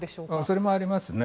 それもありますね。